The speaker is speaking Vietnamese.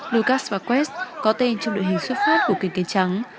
lucas faquest có tên trong đội hình xuất phát của kỳ kỳ trắng